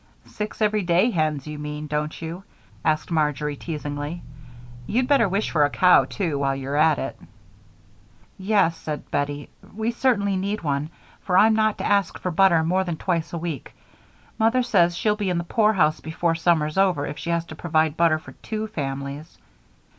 "Six every day hens, you mean, don't you?" asked Marjory, teasingly. "You'd better wish for a cow, too, while you're about it." "Yes," said Bettie, "we certainly need one, for I'm not to ask for butter more than twice a week. Mother says she'll be in the poorhouse before summer's over if she has to provide butter for two families."